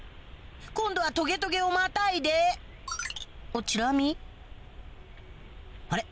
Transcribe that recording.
今度はトゲトゲをまたいでおっチラ見あれ？